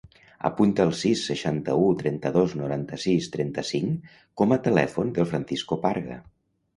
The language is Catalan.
Apunta el sis, seixanta-u, trenta-dos, noranta-sis, trenta-cinc com a telèfon del Francisco Parga.